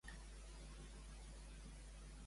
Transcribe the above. Com el representa Hesíode?